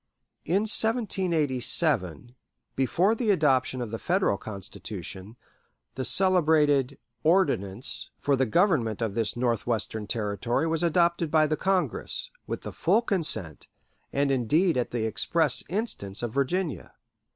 In 1787 before the adoption of the Federal Constitution the celebrated "Ordinance" for the government of this Northwestern Territory was adopted by the Congress, with the full consent, and indeed at the express instance, of Virginia.